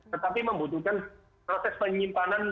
tetapi membutuhkan proses penyimpanan